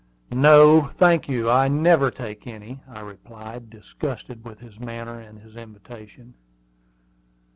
"No, I thank you; I never take any," I replied, disgusted with his manner and his invitation.